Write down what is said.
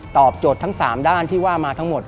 โจทย์ทั้ง๓ด้านที่ว่ามาทั้งหมด